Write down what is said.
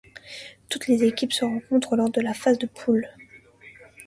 Toutes les équipes se rencontrent lors de la phase de poule.